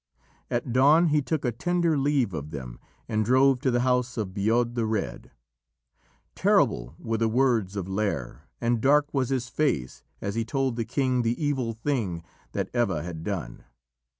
At dawn he took a tender leave of them and drove to the house of Bodb the Red. Terrible were the words of Lîr, and dark was his face as he told the king the evil thing that Eva had done.